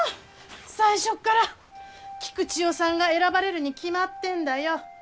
最初から菊千代さんが選ばれるに決まってんだよ。